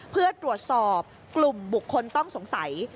เพื่อตรวจสอบกลุ่มบุคคลต้องสงสัย